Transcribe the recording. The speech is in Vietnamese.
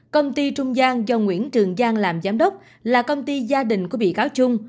công ty trung gian do nguyễn trường giang làm giám đốc là công ty gia đình của bị cáo trung